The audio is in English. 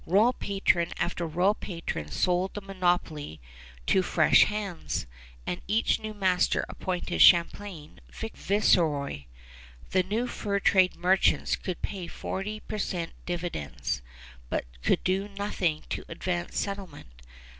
Royal patron after royal patron sold the monopoly to fresh hands, and each new master appointed Champlain viceroy. The fur trade merchants could pay forty per cent dividends, but could do nothing to advance settlement.